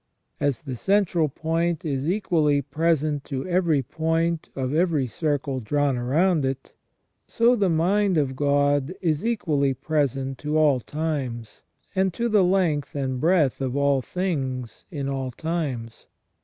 As the central point is equally present to every point of every circle drawn around it, so the mind of God is equally present to all times, and to the length and breadth of all things in all times.